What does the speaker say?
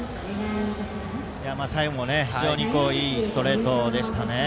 最後、非常にいいストレートでしたね。